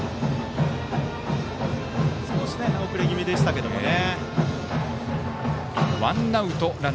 少し遅れ気味でしたけどね。